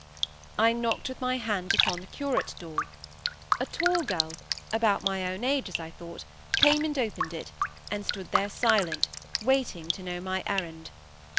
I knocked with my hand upon the "curate" door; a tall girl, about my own age, as I thought, came and opened it, and stood there silent, waiting to know my errand.